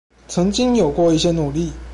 曾經有過一些努力